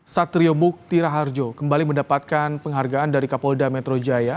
satrio bukti raharjo kembali mendapatkan penghargaan dari kapolda metro jaya